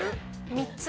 ３つ